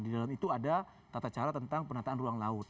di dalam itu ada tata cara tentang penataan ruang laut